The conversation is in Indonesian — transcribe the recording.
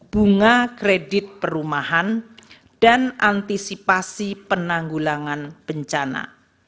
bunga kredit perumahan dan antisipasi penanggulangan bencana